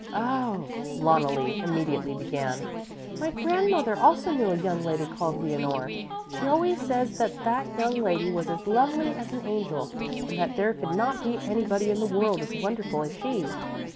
"Oh," Loneli immediately began, "my grandmother also knew a young lady called Leonore. She always says that that young lady was as lovely as an angel and that there could not be anybody in the world as wonderful as she."